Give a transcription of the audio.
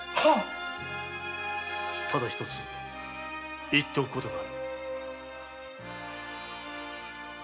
ただ一つ言っておくことがある。